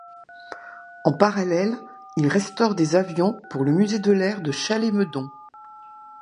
En parallèle, il restaure des avions pour le musée de l'Air de Chalais-Meudon.